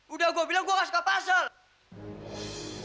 udah gue bilang gue gak suka pasal